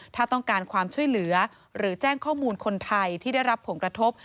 ถ้าต้องการความช่วยเหลือหรือแจ้งข้อมูลคนไทยที่ได้รับผลกระทบ